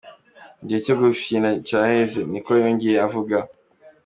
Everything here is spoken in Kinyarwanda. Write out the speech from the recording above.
"Igihe co gufyina caheze,"niko yongeye avuga.